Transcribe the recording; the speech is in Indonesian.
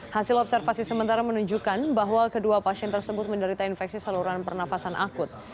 hasil observasi sementara menunjukkan bahwa kedua pasien tersebut menderita infeksi saluran pernafasan akut